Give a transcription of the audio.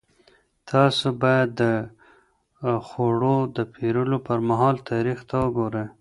تاسو باید د خوړو د پېرلو پر مهال تاریخ ته وګورئ.